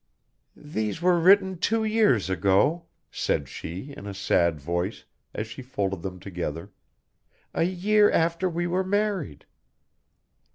"These were written two years ago," said she in a sad voice, as she folded them together, "a year after we were married."